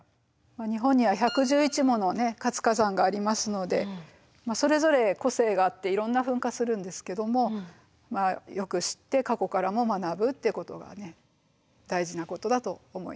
日本には１１１もの活火山がありますのでそれぞれ個性があっていろんな噴火するんですけどもまあよく知って過去からも学ぶっていうことが大事なことだと思いますよね。